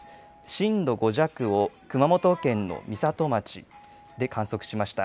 震度５弱を熊本県の美里町で観測しました。